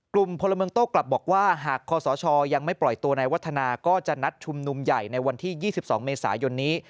พลเมืองโต้กลับบอกว่าหากคอสชยังไม่ปล่อยตัวในวัฒนาก็จะนัดชุมนุมใหญ่ในวันที่๒๒เมษายนนี้